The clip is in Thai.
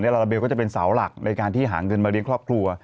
ลาลาเบลก็จะเป็นเสาหลักในการที่หาเงินมาเลี้ยงครอบครัว